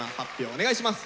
お願いします。